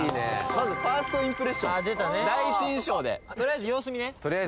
まずファーストインプレッション第一印象でとりあえず様子見ね